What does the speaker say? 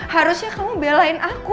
harusnya kamu belain aku